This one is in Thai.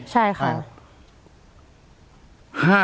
ใช่ค่ะ